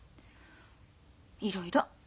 いろいろ。